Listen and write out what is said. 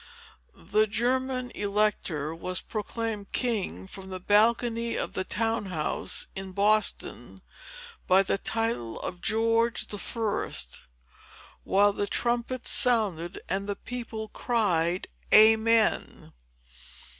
The German elector was proclaimed king from the balcony of the town house, in Boston, by the title of George the First, while the trumpets sounded, and the people cried Amen.